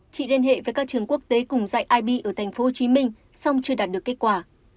chị liên hệ với các trường quốc tế cùng dạy ib ở tp hcm song chưa đạt được kết quả